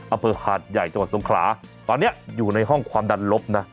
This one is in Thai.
อำเภอหาดใหญ่จังหวัดสงขลาตอนนี้อยู่ในห้องความดันลบนะ